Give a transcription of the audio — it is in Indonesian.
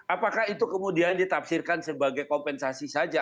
apakah itu kemudian ditafsirkan sebagai kompensasi saja